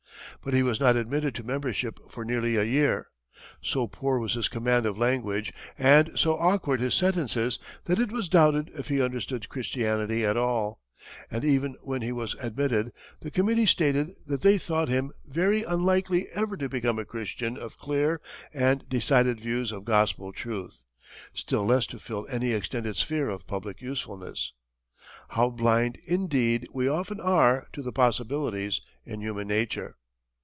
But he was not admitted to membership for nearly a year; so poor was his command of language and so awkward his sentences that it was doubted if he understood Christianity at all, and even when he was admitted, the committee stated that they thought him "very unlikely ever to become a Christian of clear and decided views of gospel truth; still less to fill any extended sphere of public usefulness." How blind, indeed, we often are to the possibilities in human nature!